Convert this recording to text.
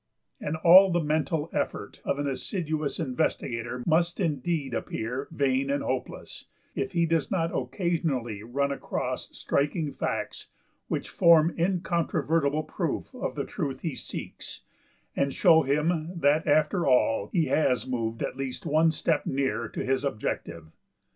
And all the mental effort of an assiduous investigator must indeed appear vain and hopeless, if he does not occasionally run across striking facts which form incontrovertible proof of the truth he seeks, and show him that after all he has moved at least one step nearer to his objective.